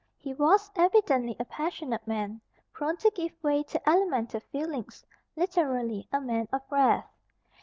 He was evidently a passionate man, prone to give way to elemental feelings, literally, "a man of wrath."